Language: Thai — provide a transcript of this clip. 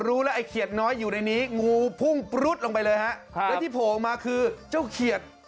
รู้แล้วไอ้เขียดน้อยอยู่ในนี้งูพุ่งปรุ๊ดลงไปเลยฮะแล้วที่โผล่ออกมาคือเจ้าเขียด